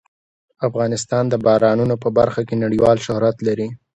افغانستان د بارانونو په برخه کې نړیوال شهرت لري.